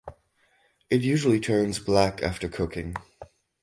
It usually turns black after cooking.